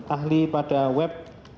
ahli pada web